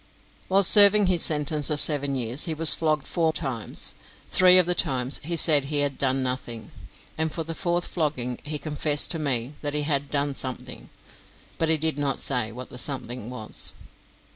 While serving his sentence of seven years he was flogged four times; three of the times he said he had "done nothing," and for the fourth flogging he confessed to me that he had "done something," but he did not say what the "something" was.